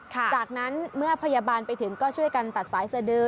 จากนั้นเมื่อพยาบาลไปถึงก็ช่วยกันตัดสายสดือ